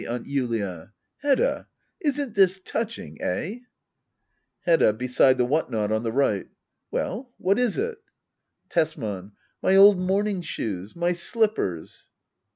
Aunt Julia ! Hedda ! isn't this touching — eh ? Hedda, [Beside the whatnot on the right.] Well^ what is it? Tesman. My old morning shoes ! My slippers.